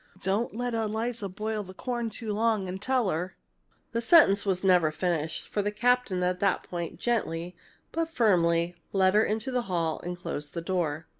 Don't let Eliza boil the corn too long, and tell her " The sentence was never finished, for the captain at that point gently but firmly led her into the hall and closed the door.